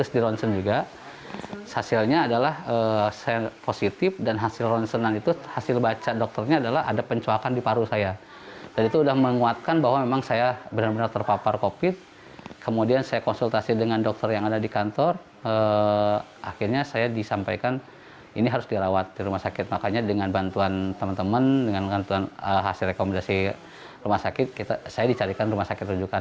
dengan keuntungan teman teman dengan keuntungan hasil rekomendasi rumah sakit saya dicarikan rumah sakit rujukan